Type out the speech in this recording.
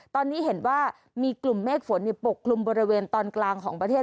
ตอนนี้เห็นว่ามีกลุ่มเมฆฝนปกคลุมบริเวณตอนกลางของประเทศ